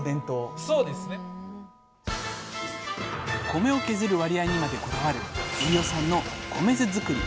米を削る割合にまでこだわる飯尾さんの米酢づくり。